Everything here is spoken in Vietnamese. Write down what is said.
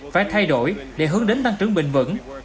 phải thay đổi để hướng đến tăng trưởng bình vững